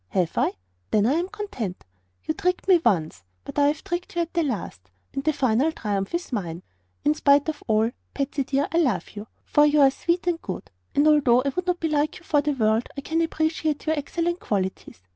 Have I? Then I am content. You tricked me once; but I have tricked you at the last, and the final triumph is mine. "In spite of all, Patsy dear, I love you; for you are sweet and good, and although I would not be like you for the world I can appreciate your excellent qualities.